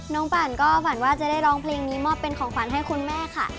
ปั่นก็ฝันว่าจะได้ร้องเพลงนี้มอบเป็นของขวัญให้คุณแม่ค่ะ